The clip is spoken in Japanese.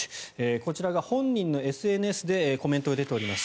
こちらが本人のＳＮＳでコメントが出ております。